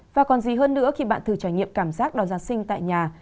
và còn gì hơn nữa khi bạn thử trải nghiệm cảm giác đón giáng sinh tại nhà